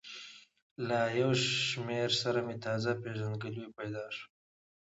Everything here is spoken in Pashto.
له یو شمېر سره مې تازه پېژندګلوي پیدا شوه.